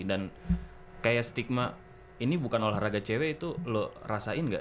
dan kayak stigma ini bukan olahraga cewek itu lu rasain gak